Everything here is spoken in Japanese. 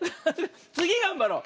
つぎがんばろう！